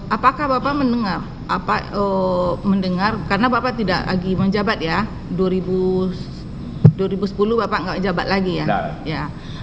apakah bapak mendengar apa mendengar karena bapak tidak lagi menjabat ya dua ribu sepuluh bapak nggak jabat lagi ya